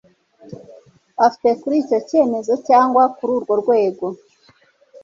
afite kuri icyo cyemezo cyangwa kuri urwo rwego